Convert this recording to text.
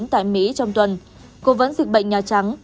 tại mỹ trong tuần cố vấn dịch bệnh nhà trắng